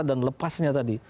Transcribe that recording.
dan lepasnya tadi